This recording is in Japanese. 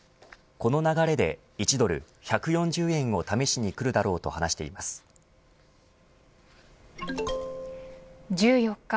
この流れで、１ドル１４０円を試しにくるだろうと話し１４日